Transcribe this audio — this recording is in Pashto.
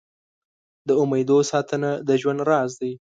د امېدو ساتنه د ژوند راز دی.